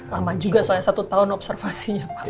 lama juga soalnya satu tahun observasinya pak